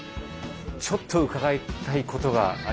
ちょっと伺いたいことがありまして。